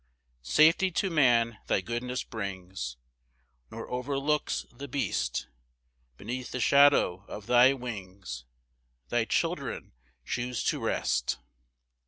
6 Safety to man thy goodness brings, Nor overlooks the beast; Beneath the shadow of thy wings Thy children choose to rest.